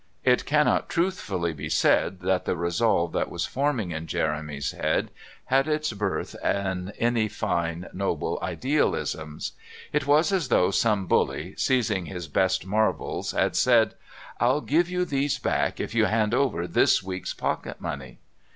It cannot truthfully be said that the resolve that was forming in Jeremy's head had its birth in any fine, noble idealisms. It was as though some bully, seizing his best marbles, had said: "I'll give you these back if you hand over this week's pocket money!"